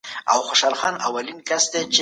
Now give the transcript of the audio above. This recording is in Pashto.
مستی د انسان عقل له منځه وړي.